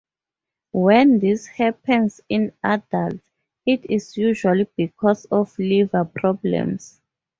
When this happens in adults, it is usually because of liver problems.